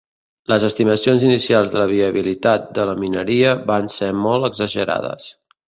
Les estimacions inicials de la viabilitat de la mineria van ser molt exagerades.